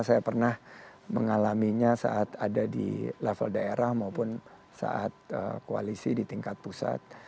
saya pernah mengalaminya saat ada di level daerah maupun saat koalisi di tingkat pusat